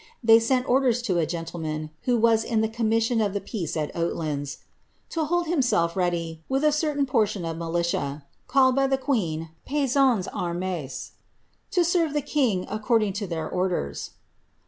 They sent orders to a gentleman. who was io the commission of the peace at Oatlands, ^ to hold himself ready, with a certain portion of militia," called by the queen paysans anmes, ^ to serre' the king according to their orders."